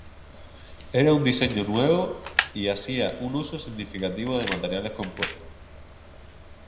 Era un diseño nuevo y hacía un uso significativo de materiales compuestos.